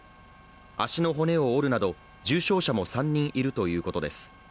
足の骨を折るなど重傷者も３人いるということです。